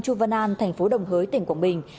chu văn an thành phố đồng hới tỉnh quảng bình